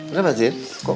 udah mbak sindi